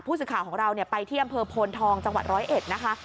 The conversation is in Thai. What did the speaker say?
สื่อข่าวของเราไปที่อำเภอโพนทองจังหวัดร้อยเอ็ดนะคะ